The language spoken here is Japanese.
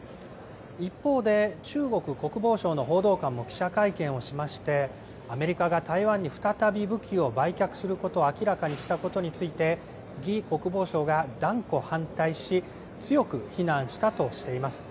一方で、中国国防省の報道官も記者会見をしましてアメリカが台湾に再び武器を売却することを明らかにしたことについて魏国防相が断固反対し強く非難したとしています。